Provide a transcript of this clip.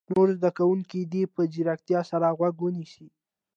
نور زده کوونکي دې په ځیرتیا سره غوږ ونیسي.